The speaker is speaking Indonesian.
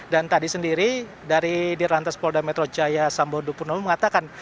dan tadi sendiri dari di rantes polda metro jaya sambon dupurnomo mengatakan